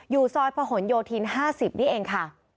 อยู่ซอยพหนโยธีน๕๐นี่เองค่ะ